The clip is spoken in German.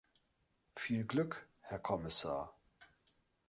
Viel Glück, Herr Kommissar.